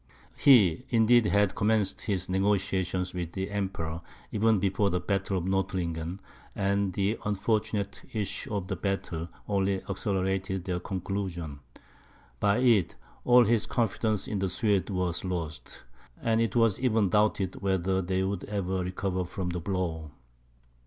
He, indeed, had commenced his negociations with the Emperor, even before the battle of Nordlingen; and the unfortunate issue of that battle only accelerated their conclusion. By it, all his confidence in the Swedes was lost; and it was even doubted whether they would ever recover from the blow.